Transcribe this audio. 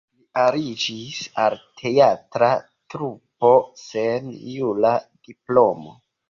Li aliĝis al teatra trupo sen jura diplomo.